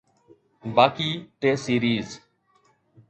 باقي T series